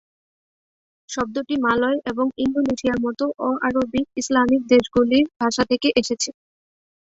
শব্দটি মালয় এবং ইন্দোনেশিয়ার মতো অ-আরবিক ইসলামিক দেশগুলির ভাষা থেকে এসেছে।